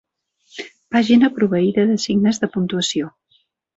Pàgina proveïda de signes de puntuació.